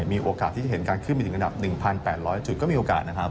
มีโอกาสที่จะเห็นการขึ้นมาถึงระดับ๑๘๐๐จุดก็มีโอกาสนะครับ